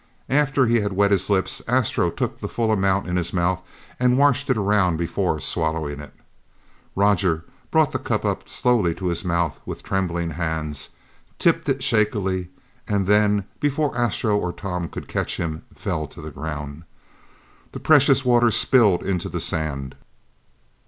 After he had wet his lips, Astro took the full amount in his mouth and washed it around, before swallowing it. Roger brought the cup up slowly to his mouth with trembling hands, tipped it shakily, and then before Astro or Tom could catch him, fell to the ground. The precious water spilled into the sand.